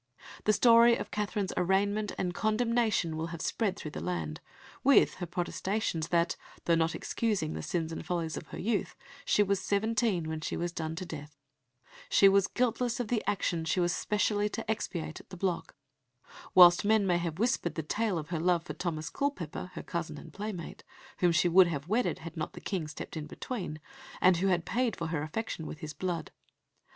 The story of Katherine's arraignment and condemnation will have spread through the land, with her protestations that, though not excusing the sins and follies of her youth she was seventeen when she was done to death she was guiltless of the action she was specially to expiate at the block; whilst men may have whispered the tale of her love for Thomas Culpeper, her cousin and playmate, whom she would have wedded had not the King stepped in between, and who had paid for her affection with his blood.